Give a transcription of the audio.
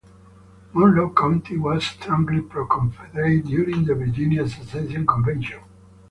Monroe County was strongly pro-Confederate during the Virginia Secession Convention.